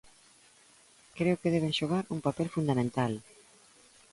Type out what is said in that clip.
Creo que deben xogar un papel fundamental.